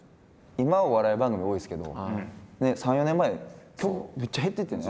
今お笑い番組多いですけど３４年前むっちゃ減っていっててんな。